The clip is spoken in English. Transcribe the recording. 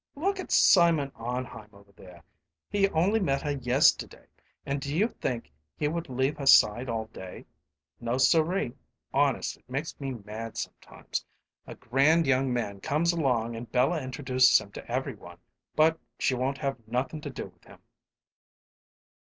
Look at Simon Arnheim over there he only met her yesterday, and do you think he would leave her side all day? No, siree. Honest, it makes me mad sometimes. A grand young man comes along and Bella introduces him to every one, but she won't have nothin' to do with him."